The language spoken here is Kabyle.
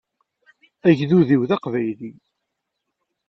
Agdud-iw d aqbayli.